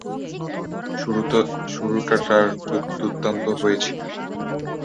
শুরুটা তার দূর্দান্ত হয়েছিল।